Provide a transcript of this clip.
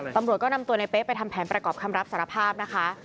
ตำรวจก็นำตัวในเป๊ะไปทำแผนประกอบคำรับสารภาพนะคะ